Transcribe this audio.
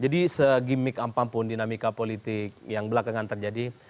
jadi segimik ampun dinamika politik yang belakangan terjadi